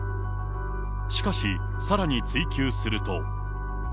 しかし、さらに追及すると。